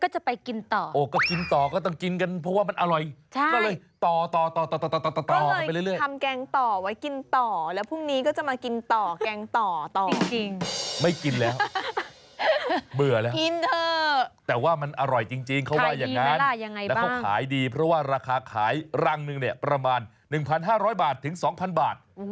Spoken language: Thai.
จะไปกินต่อกินได้หมดเลยแล้วก็จะไปกินต่อ